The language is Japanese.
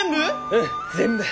うん全部。